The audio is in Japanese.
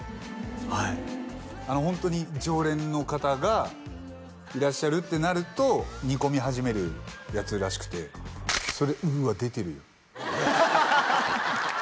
はいホントに常連の方がいらっしゃるってなると煮込み始めるやつらしくてそれうわ出てるよハハハハッ！